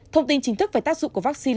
thông tin chính thức về tác dụng của vaccine